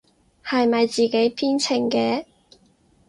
係咪自己編程嘅？